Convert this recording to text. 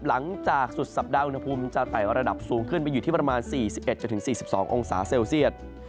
หลังจากสุดสัปดาห์อุณหภูมิจะไต่ระดับสูงขึ้นไปอยู่ที่ประมาณ๔๑๔๒องศาเซลเซียต